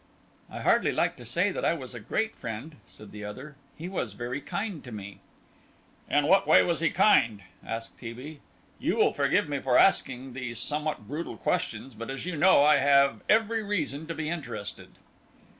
"I hardly like to say that I was a great friend," said the other; "he was very kind to me." "In what way was he kind?" asked T. B. "You will forgive me for asking these somewhat brutal questions, but as you know I have every reason to be interested."